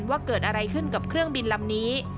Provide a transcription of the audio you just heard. ว่าเกิดอะไรขึ้นกับเครื่องบินลำนี้